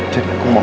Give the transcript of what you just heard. jadi aku mohon